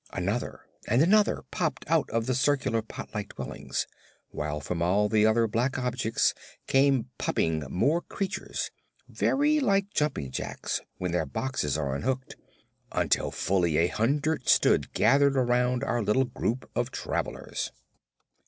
Another and another popped out of the circular, pot like dwelling, while from all the other black objects came popping more creatures very like jumping jacks when their boxes are unhooked until fully a hundred stood gathered around our little group of travelers.